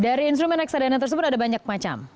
dari instrumen reksadana tersebut ada banyak macam